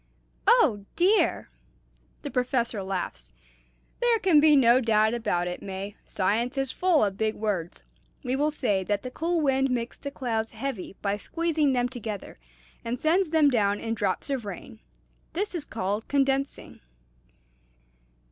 "Oh dear!" The Professor laughs. "There can be no doubt about it, May, science is full of big words. We will say that the cool wind makes the clouds heavy by squeezing them together, and sends them down in drops of rain. This is called condensing."